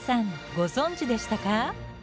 ご存じでしたか？